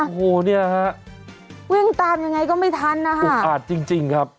โอ้โหเนี่ยครับวิ่งตามยังไงก็ไม่ทันนะครับอุปอาจจริงครับ